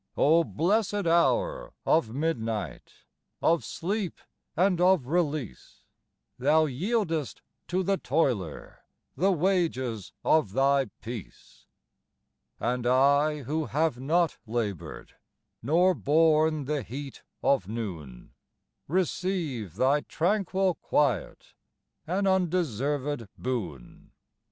O blessed hour of midnight, Of sleep and of release, Thou yieldest to the toiler The wages of thy peace. And I, who have not laboured, Nor borne the heat of noon, Receive thy tranquil quiet An undeserved boon.